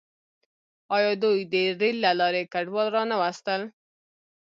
آیا دوی د ریل له لارې کډوال را نه وستل؟